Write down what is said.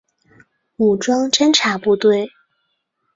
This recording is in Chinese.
武装侦察部队。